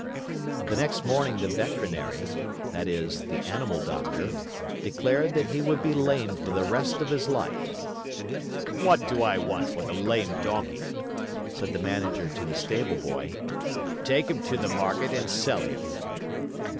The next morning the veterinary that is, the animal doctor declared that he would be lame for the rest of his life. "What do I want with a lame donkey?" said the Manager to the stableboy. "Take him to the market and sell him."